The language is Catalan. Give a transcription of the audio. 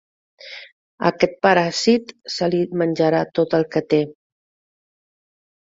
Aquest paràsit se li menjarà tot el que té.